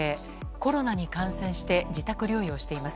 コロナに感染して自宅療養しています。